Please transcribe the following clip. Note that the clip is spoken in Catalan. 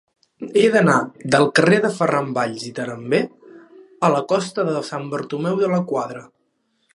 He d'anar del carrer de Ferran Valls i Taberner a la costa de Sant Bartomeu de la Quadra.